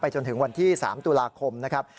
จนถึงวันที่๓ตุลาคมนะครับ